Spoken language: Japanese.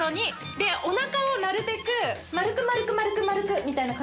でおなかをなるべく丸く丸く丸くみたいな。